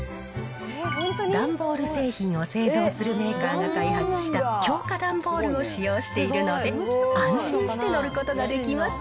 段ボール製品を製造するメーカーが開発した強化段ボールを使用しているので、安心して乗ることができます。